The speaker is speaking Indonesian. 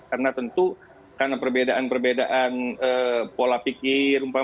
karena tentu karena perbedaan perbedaan pola pikir